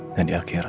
dan di akhirat